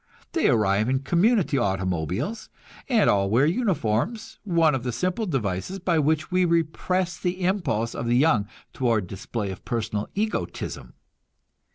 They arrive in community automobiles, and all wear uniforms one of the simple devices by which we repress the impulse of the young toward display of personal egotism.